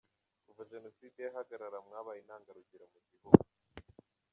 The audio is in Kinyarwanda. Kuva Jenoside yahagarara mwabaye intangarugero mu gihugu.